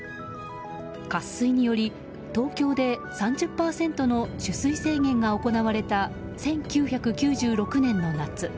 渇水により、東京で３０％の取水制限が行われた１９９６年の夏。